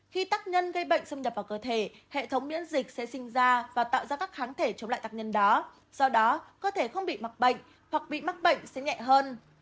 khi tắc nhân gây bệnh xâm nhập vào cơ thể hệ thống miễn dịch sẽ sinh ra và tạo ra các kháng thể chống lại tác nhân đó do đó cơ thể không bị mắc bệnh hoặc bị mắc bệnh sẽ nhẹ hơn